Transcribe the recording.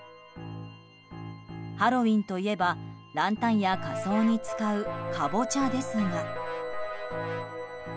ハロウィーンといえばランタンや仮装に使うカボチャですが。